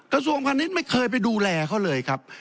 กระทรวงพาณิชย์ไม่เคยไปดูแลเขาเลยครับ